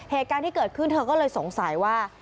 เหตุการณ์ที่เกิดขึ้นเธอก็เลยสงสัยว่า